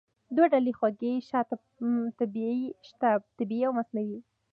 دوه ډوله خوږې شته: طبیعي او مصنوعي.